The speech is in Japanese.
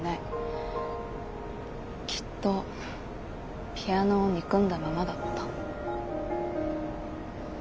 きっとピアノを憎んだままだった。